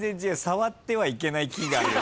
「さわってはいけない木がある」